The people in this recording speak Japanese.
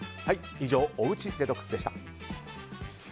以上、おうちデトックスでした。